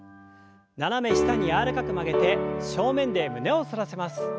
斜め下に柔らかく曲げて正面で胸を反らせます。